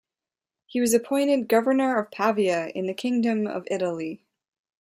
He was appointed Governor of Pavia in the Kingdom of Italy.